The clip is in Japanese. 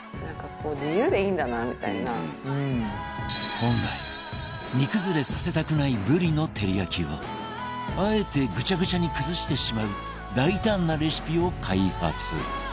本来煮崩れさせたくないブリの照り焼きをあえてぐちゃぐちゃに崩してしまう大胆なレシピを開発